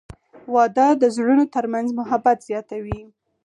• واده د زړونو ترمنځ محبت زیاتوي.